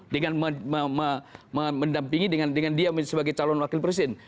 dengan mendampingi dengan dia sebagai calon wakil presiden